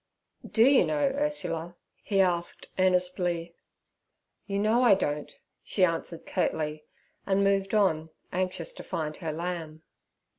'Do you know, Ursula?' he asked earnestly. 'You know I don't' she answered curtly, and moved on, anxious to find her lamb.